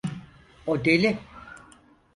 O deli.